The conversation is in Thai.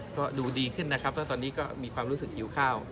ก็ดูดีขึ้นนะครับแล้วตอนนี้ก็มีความรู้สึกหิวข้าว